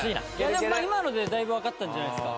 でもまあ今のでだいぶわかったんじゃないですか？